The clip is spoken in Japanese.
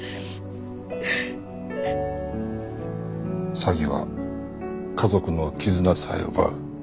詐欺は家族の絆さえ奪う。